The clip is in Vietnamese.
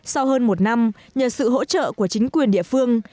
sau hơn một năm nhờ sự hỗ trợ của chính quyền địa phương